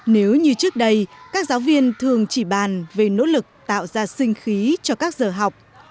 nếu như trước đây các giáo viên thường chỉ bàn về nỗ lực tạo ra sinh khí cho các giờ học